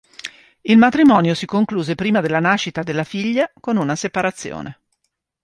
Il matrimonio si concluse prima della nascita della figlia, con una separazione.